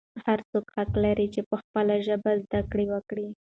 هر څوک حق لري چې په خپله ژبه زده کړه وکړي.